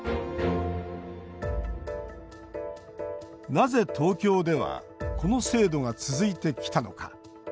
なぜ東京ではこの制度が続いてきたのか。